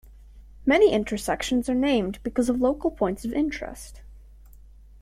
Many intersections are named because of local points of interest.